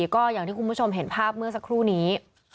ก็อย่างที่คุณผู้ชมเห็นภาพเมื่อสักครู่นี้